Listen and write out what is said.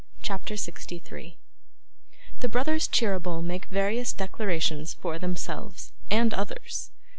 CHAPTER 63 The Brothers Cheeryble make various Declarations for themselves and others.